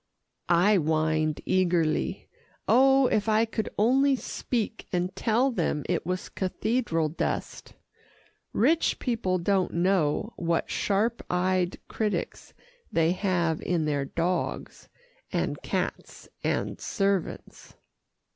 I whined eagerly. Oh, if I could only speak, and tell them it was cathedral dust. Rich people don't know what sharp eyed critics they have in their dogs, and cats and servants.